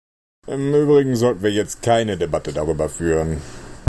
Im übrigen sollten wir jetzt keine Debatte darüber führen.